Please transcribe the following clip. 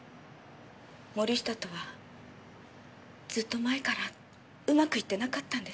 森下とはずっと前からうまくいってなかったんです。